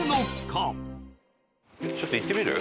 ちょっと行ってみる？